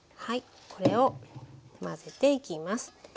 これを混ぜていきます。